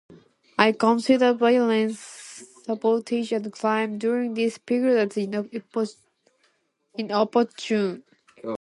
I consider violence, sabotage, and crime during this period as inopportune.